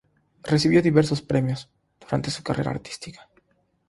Recibió diversos premios durante su carrera artística.